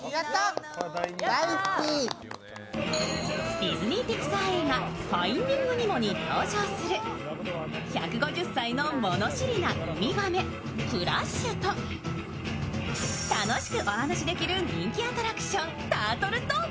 ディズニー＆ピクサー映画「ファインディング・ニモ」に登場する１５０歳のものしりなウミガメのクラッシュと楽しくお話しできる「タートル・トーク」